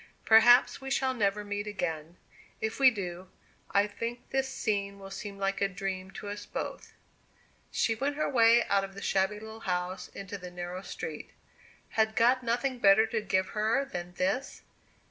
Perhaps we shall never meet again. If we do, I think this scene will seem like a dream to us both." She went her way out of the shabby little house into the narrow street. Had God nothing better to give her than this?